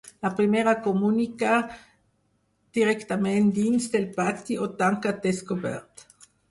La primera comunica directament dins del pati o tancat descobert.